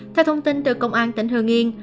theo thông tin từ công an tỉnh hương yên